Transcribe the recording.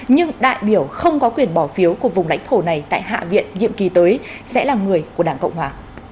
nhưng đại biểu không có quyền bỏ phiếu của vùng lãnh thổ này tại hạ viện nhiệm kỳ tới sẽ là người của đảng cộng hòa